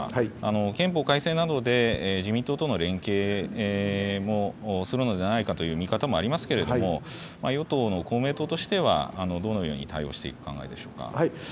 憲法改正などで自民党との連携もするのではないかという見方もありますけれども、与党の公明党としては、どのように対応していく考えでしょうか。